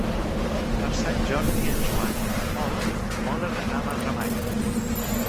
Per Sant Jordi en Joan i en Pol volen anar a Madremanya.